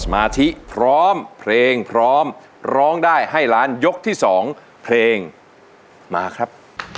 มาที่พร้อมเพลงพร้อมร้องได้ให้ล้านยกที่๒เพลงมาครับ